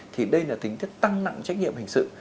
thì đây là tính thức tăng nặng trách nhiệm hình sự